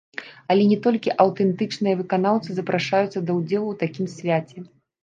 Але не толькі аўтэнтычныя выканаўцы запрашаюцца да ўдзелу ў такім свяце.